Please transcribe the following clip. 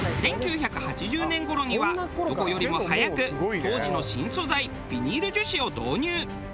１９８０年頃にはどこよりも早く当時の新素材ビニール樹脂を導入。